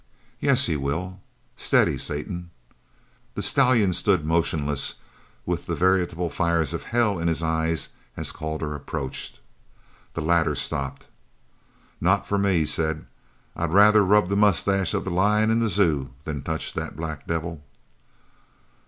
"Yes, he will. Steady, Satan!" The stallion stood motionless with the veritable fires of hell in his eyes as Calder approached. The latter stopped. "Not for me," he said. "I'd rather rub the moustache of the lion in the zoo than touch that black devil!"